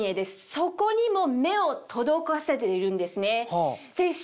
そこにも目を届かせているんですね。